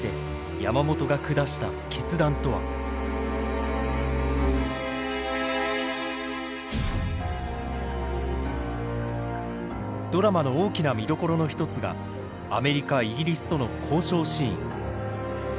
果たしてドラマの大きな見どころの一つがアメリカイギリスとの交渉シーン。